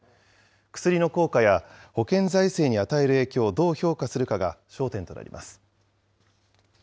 薬の効果や保険財政に与える影響をどう評価するかが焦点となります。